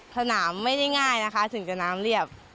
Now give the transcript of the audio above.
สนามไม่ได้ง่ายนะคะถึงกับน้ำเรียบ